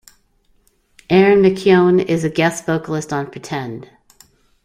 Erin McKeown is a guest vocalist on Pretend.